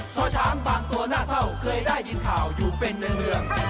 เพราะช้างบางตัวน่าเศร้าเคยได้ยินข่าวอยู่เป็นเนื่อง